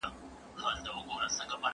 د برس پاکوالی د ناروغیو مخنیوی کوي.